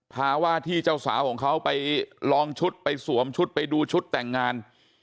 ภาวะที่เจ้าสาวของเขาไปลองชุดไปสวมชุดไปดูชุดแต่งงาน